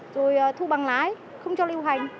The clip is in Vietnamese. rồi thu bằng lái không cho lưu hành